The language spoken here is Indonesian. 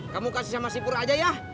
kamu kasih sama sipur aja ya